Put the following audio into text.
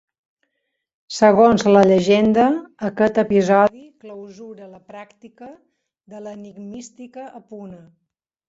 Segons la llegenda, aquest episodi clausura la pràctica de l'enigmística a Puna.